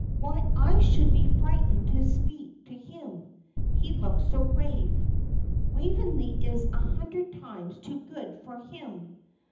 "Why, I should be frightened to speak to him, he looks so grave. Waveney is a hundred times too good for him.